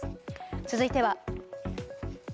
続いては。